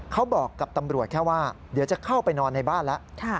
เขาบอกกับตำรวจแค่ว่าเดี๋ยวจะเข้าไปนอนในบ้านแล้ว